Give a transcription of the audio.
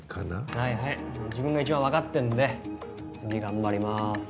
はいはい自分が一番分かってるんで次頑張ります。